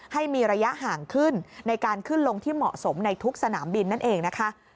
ให้มีระยะห่างขึ้นในการขึ้นลงที่เหมาะสมในทุกสนามบินนั่นเองนะคะ